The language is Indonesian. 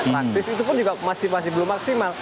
praktis itu pun juga masih belum maksimal